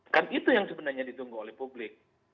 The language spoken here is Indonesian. kan itu yang sebenarnya ditunggu oleh publik